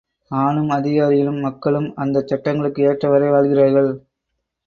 ஆணும் அதிகாரிகளும், மக்களும் அந்தச் சட்டங்களுக்கு ஏற்றவாறே வாழ்கிறார்கள்.